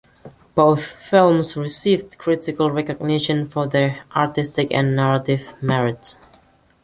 Both films received critical recognition for their artistic and narrative merits.